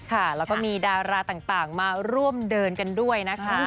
ค่ะแล้วก็มีดาราต่างมาร่วมเดินกันด้วยนะคะ